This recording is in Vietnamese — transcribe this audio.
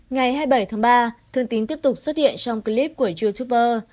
ngày hai mươi bảy tháng ba thương tín tiếp tục xuất hiện trong clip của youtuber